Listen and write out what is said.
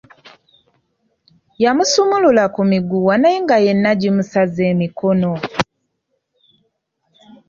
Yamusumulula ku miguwa naye nga yenna gimusaze emikono.